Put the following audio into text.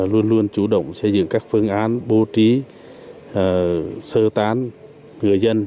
luôn luôn chủ động xây dựng các phương án bố trí sơ tán người dân